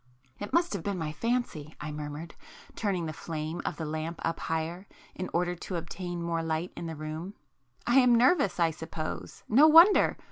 "It must have been my fancy;" I murmured, turning the flame of the lamp up higher in order to obtain more light in the room—"I am nervous I suppose,—no wonder!